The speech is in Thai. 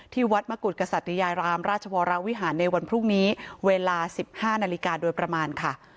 วัดมกุฎกษัตยารามราชวรวิหารในวันพรุ่งนี้เวลา๑๕นาฬิกาโดยประมาณค่ะ